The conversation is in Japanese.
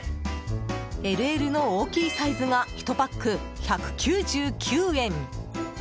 ＬＬの大きいサイズが１パック１９９円。